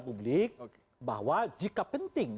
publik bahwa jika penting